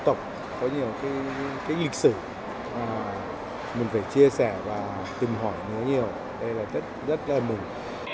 văn tộc có nhiều cái lịch sử mà mình phải chia sẻ và tìm hỏi nhiều nhiều đây là rất là mừng